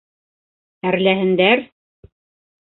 Әрләһендәр!